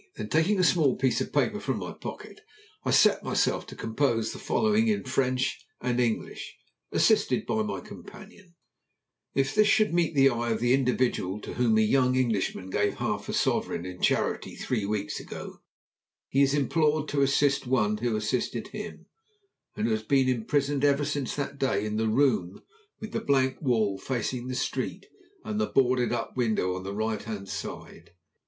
Then, taking a small piece of paper from my pocket, I set myself to compose the following in French and English, assisted by my companion: "If this should meet the eye of the individual to whom a young Englishman gave half a sovereign in charity three weeks ago, he is implored to assist one who assisted him, and who has been imprisoned ever since that day in the room with the blank wall facing the street and the boarded up window on the right hand side.